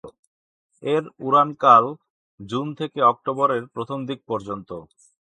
এর উড়ানকাল জুন থেকে অক্টোবরের প্রথম দিক পর্যন্ত।